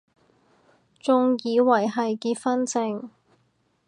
仲以為係結婚証